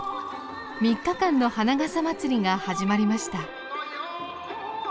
３日間の花笠まつりが始まりました。